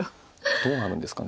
どうなるんですかね。